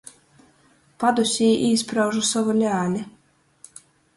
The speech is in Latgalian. Padusē īspraužu sovu leli.